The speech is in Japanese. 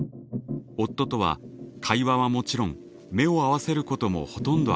夫とは会話はもちろん目を合わせることもほとんどありません。